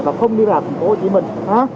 và không đi vào thành phố hồ chí minh